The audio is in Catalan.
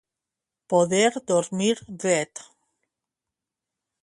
Poder dormir dret.